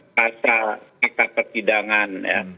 pasal fakta persidangan